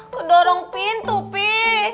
kedorong pintu pih